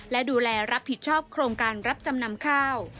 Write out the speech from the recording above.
และดูแลรับผิดชอบโครงการรับจำนำข้าว